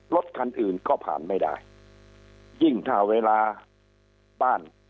รถคันอื่นก็ผ่านไม่ได้ยิ่งถ้าเวลาบ้าน